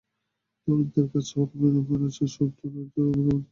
তরুণদের কাজ হলো বিনা খরচায় সূর্যরাজ্যে নিবন্ধন করে সৃষ্টিগুলো রেখে দেওয়া।